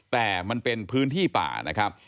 แต่มันเป็นพื้นที่ป่านะครับ